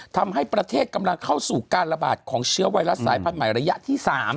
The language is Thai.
ทำให้ประเทศกำลังเข้าสู่การระบาดของเชื้อไวรัสสายพันธุ์ใหม่ระยะที่๓